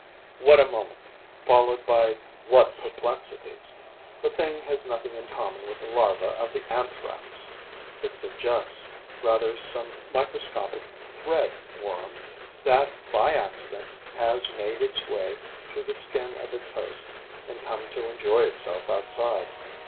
What a moment, followed by what perplexities! The thing has nothing in common with the larva of the Anthrax, it suggests rather some microscopic Thread worm that, by accident, has made its way through the skin of its host and come to enjoy itself outside.